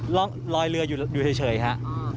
ลอยเรืออยู่เฉยครับ